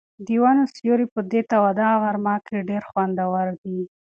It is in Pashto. د ونو سیوری په دې توده غرمه کې ډېر خوندور دی.